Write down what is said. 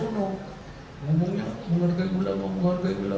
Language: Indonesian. ngomongnya menghargai ulama menghargai ulama